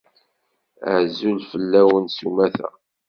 Azul fell-awen s umata.